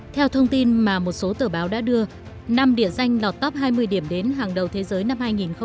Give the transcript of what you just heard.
theo thông tin mà một số tờ báo đã đưa năm địa danh lọt top hai mươi điểm đến hàng đầu thế giới năm hai nghìn hai mươi